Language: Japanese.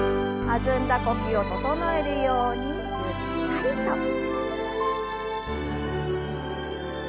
弾んだ呼吸を整えるようにゆったりと。